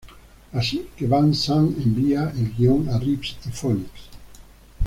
Así que Van Sant envía el guión a Reeves y Phoenix.